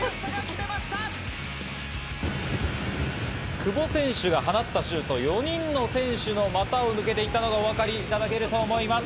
久保選手が放ったシュートが４人の選手の股を抜けて行ったのがお分かりになると思います。